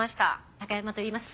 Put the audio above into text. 高山といいます